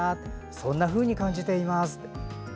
そんなふうに感じています。